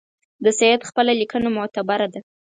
د سید خپله لیکنه معتبره ده.